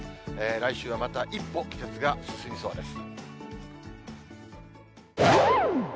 来週はまた一歩季節が進みそうです。